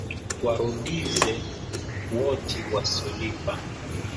Warudize woti wasiolipa